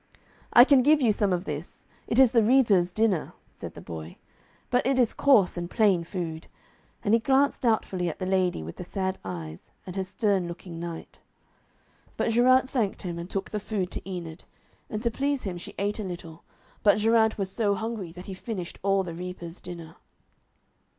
'I can give you some of this; it is the reapers' dinner,' said the boy. 'But it is coarse and plain food,' and he glanced doubtfully at the lady with the sad eyes and her stern looking knight. But Geraint thanked him, and took the food to Enid. And to please him she ate a little, but Geraint was so hungry that he finished all the reapers' dinner.